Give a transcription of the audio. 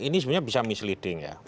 nah ini bisa misleading ya